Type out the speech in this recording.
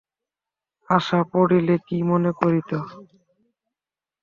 আশা পড়িলে কী মনে করিত।